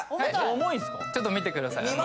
ちょっと見てください